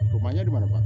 rumahnya dimana pak